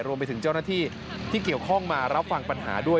รวมไปถึงเจ้าหน้าที่ที่เกี่ยวข้องมารับฟังปัญหาด้วย